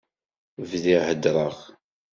Bdiɣ heddreɣ.